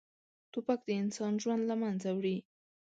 توپک د انسان ژوند له منځه وړي.